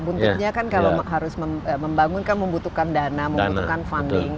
untuknya kan kalau harus membangunkan membutuhkan dana membutuhkan funding